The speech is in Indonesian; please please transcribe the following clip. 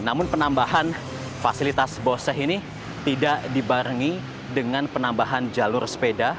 namun penambahan fasilitas boseh ini tidak dibarengi dengan penambahan jalur sepeda